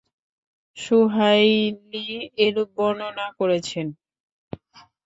সুহাইলী এরূপ বর্ণনা করেছেন।